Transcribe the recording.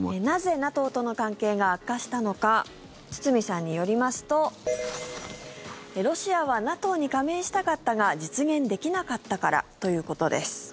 なぜ、ＮＡＴＯとの関係が悪化したのか堤さんによりますと、ロシアはＮＡＴＯに加盟したかったが実現できなかったからということです。